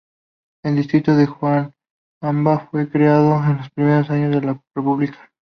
El Distrito de Huancabamba fue creado en los primeros años de la República.